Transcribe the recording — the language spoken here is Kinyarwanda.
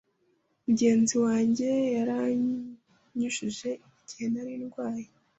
Mugenzi wanjye yaranyujuje igihe nari ndwaye.